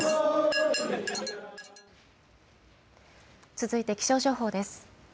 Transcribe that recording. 続いて気象情報です。